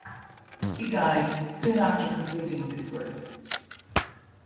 He died soon after completing this work.